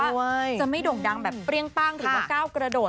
ถึงแม้ว่าจะไม่โด่งดังแบบเปรี้ยงปั้งถึงว่าก้าวกระโดด